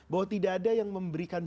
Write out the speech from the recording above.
bahwa tidak ada yang memberikan